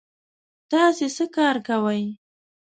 تاسې څه کار کوی؟